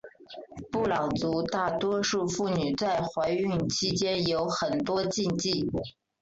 布朗族大多数妇女在怀孕期间有很多禁忌。